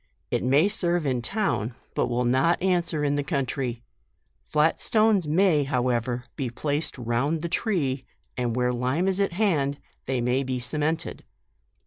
It may serve in town, but will not answer m M2 13* JONE. the country : flat stones may however be pla ced round the tree, and where lime is at hand, they may be cemented."